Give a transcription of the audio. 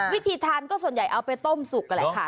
วิธีทานก็ส่วนใหญ่เอาไปต้มสุกนั่นแหละค่ะ